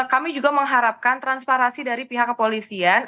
jadi kami juga mengharapkan transparansi dari pihak kepolisian